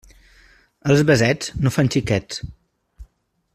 Els besets no fan xiquets.